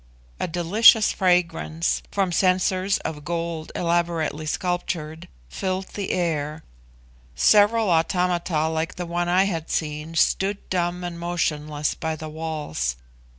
A delicious fragrance, from censers of gold elaborately sculptured, filled the air. Several automata, like the one I had seen, stood dumb and motionless by the walls.